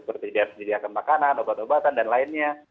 seperti diakam makanan obat obatan dan lainnya